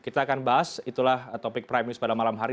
kita akan bahas itulah topik prime news pada malam hari